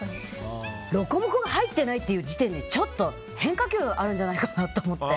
ロコモコが入ってない時点でちょっと変化球あるんじゃないかなと思って。